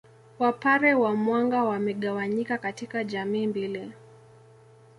Wapare wa Mwanga wamegawanyika katika jamii mbili